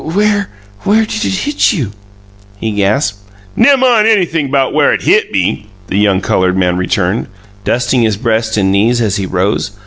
"Where where did it hit you?" he gasped. "Nemmine anything 'bout where it HIT me," the young coloured man returned, dusting his breast and knees as he rose.